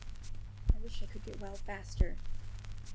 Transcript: I wish I could get well faster.